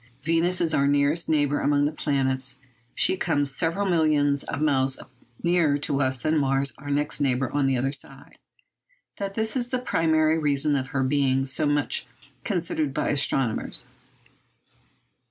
Venus is our nearest neighbour among the planets. She comes several millions of miles nearer to us than Mars, our next neighbour on the other side. That is the primary reason of her being so much considered by astronomers.